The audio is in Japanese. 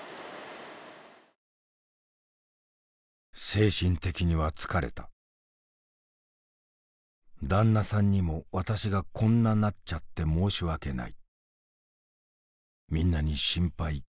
「精神的には疲れた旦那さんにも私がこんななっちゃって申し訳ないみんなに心配迷惑かけて」。